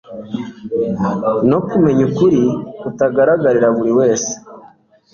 no kumenya ukuri kutagaragarira buri wese